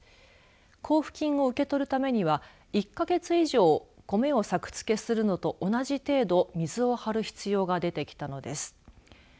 交付金を受け取るためには１か月以上コメを作付けするのと同じ程度水を張る必要が出てきたのです。